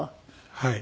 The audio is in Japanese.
はい。